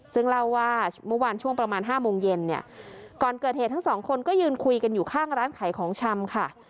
ซึ่งเล่าว่าเมื่อวานช่วงประมาณห้าโมงเย็นเนี่ยก่อนเกิดเหตุทั้งสองคนก็ยืนคุยกันอยู่ข้างร้านขายของชำค่ะ